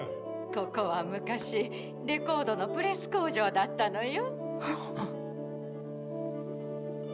ここは昔レコードのプレス工場だったのよ。